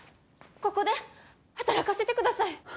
ここで働かせてください！